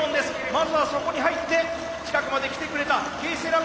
まずはそこに入って近くまで来てくれたＫセラビットに。